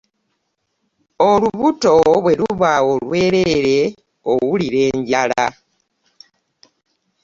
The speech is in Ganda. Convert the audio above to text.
Olubuto bwe luba olwerere owulira enjala.